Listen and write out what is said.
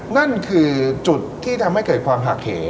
นั่นคือจุดที่ทำให้เกิดความหักเห